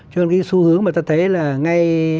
cho nên cái xu hướng mà ta thấy là ngay